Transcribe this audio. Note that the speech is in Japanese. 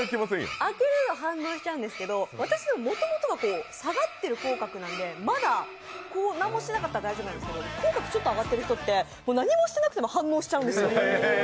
上げると、反応しちゃうんですけど、私はもともとは下がっている口角なので、まだ何もしてなかったら大丈夫なんですけど、口角が上がっている人って何もしなくても反応しちゃうんですよ。